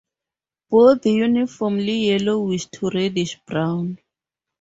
Body uniformly yellowish to reddish brown.